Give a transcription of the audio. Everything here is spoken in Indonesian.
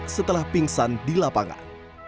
setelah pingsan di lapangan